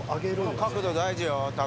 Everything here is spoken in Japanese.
角度大事よ、拓。